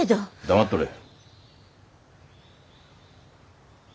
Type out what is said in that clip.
黙っとれえ。